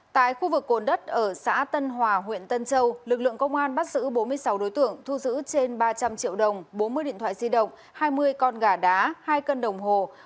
tại khu vực cồn đất ở xã tân hòa huyện tân châu lực lượng công an bắt giữ bốn mươi sáu đối tượng thu giữ trên ba trăm linh triệu đồng bốn mươi điện thoại di động hai mươi con gà đá hai cân đồng hồ